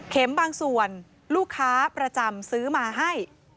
บางส่วนลูกค้าประจำซื้อมาให้